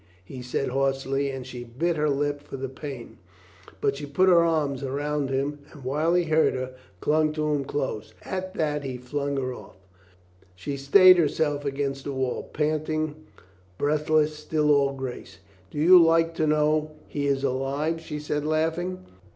he said hoarsely, and she bit her lip for the pain. But she put her arms round him and while he hurt her, clung to him close. At that he flung her ofT. She stayed herself against the wall, panting, breathless, still all grace. "Do you like to know he is alive?" she said, laughing.